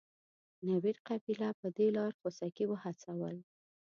نوير قبیله په دې لار خوسکي وهڅول.